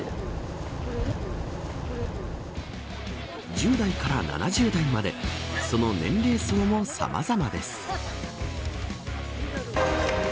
１０代から７０代までその年齢層もさまざまです。